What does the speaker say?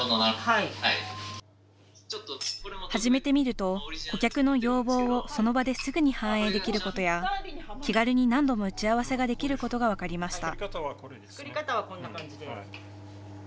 始めてみると顧客の要望をその場ですぐに反映できることや気軽に何度も打ち合わせができることが分かりました。